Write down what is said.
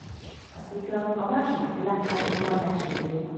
A szikla a második világháborúban megsérült.